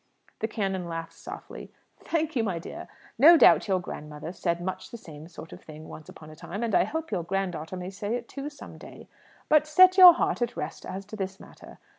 The canon laughed softly. "Thank you, my dear. No doubt your grandmother said much the same sort of thing once upon a time; and I hope your grand daughter may say it too, some day. But set your heart at rest as to this matter.